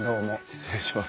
失礼します。